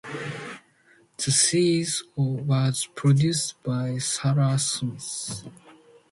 The series was produced by Sarah Smith.